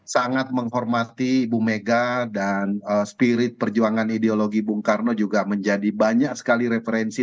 sangat menghormati ibu mega dan spirit perjuangan ideologi bung karno juga menjadi banyak sekali referensi